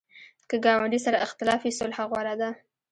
که ګاونډي سره اختلاف وي، صلح غوره ده